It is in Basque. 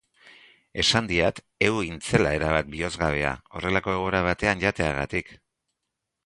Esan diat heu hintzela erabat bihozgabea, horrelako egoera batean jateagatik.